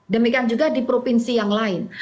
demikian juga di provinsi yang lain